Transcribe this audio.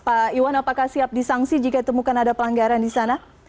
pak iwan apakah siap disangsi jika ditemukan ada pelanggaran di sana